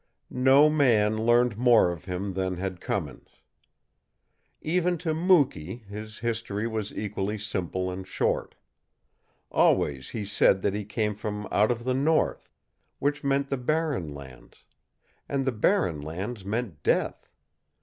No man learned more of him than had Cummins. Even to Mukee, his history was equally simple and short. Always he said that he came from out of the north which meant the Barren Lands; and the Barren Lands meant death.